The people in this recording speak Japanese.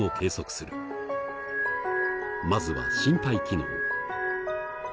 まずは心肺機能。